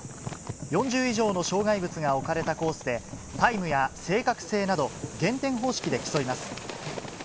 ４０以上の障害物が置かれたコースでタイムや正確性など減点方式で競います。